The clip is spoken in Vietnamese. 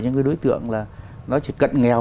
những cái đối tượng là nó chỉ cận nghèo